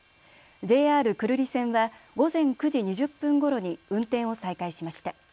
ＪＲ久留里線は午前９時２０分ごろに運転を再開しました。